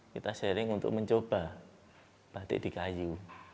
kita sering untuk mencoba batik di kayu